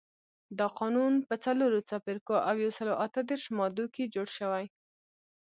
دا قانون په څلورو څپرکو او یو سلو اته دیرش مادو کې جوړ شوی.